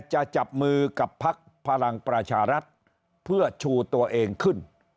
จะจับมือกับพักพลังประชารัฐเพื่อชูตัวเองขึ้น